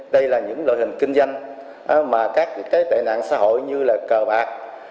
đây là những loại hình kinh doanh mà các tệ nạn xã hội như là cờ bạc